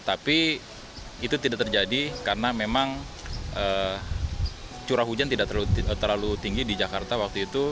tapi itu tidak terjadi karena memang curah hujan tidak terlalu tinggi di jakarta waktu itu